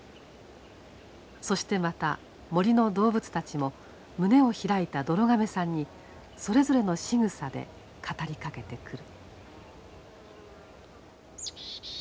そしてまた森の動物たちも胸を開いたどろ亀さんにそれぞれのしぐさで語りかけてくる。